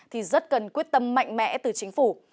thì rất cần quyết tâm mạnh mẽ từ chính phủ